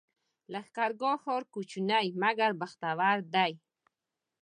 لښکرګاه ښار کوچنی مګر بختور دی